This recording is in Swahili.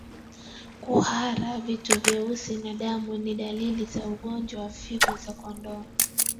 Kuhara vitu vyeusi na damu ni dalili za ugonjwa wa figo za kondoo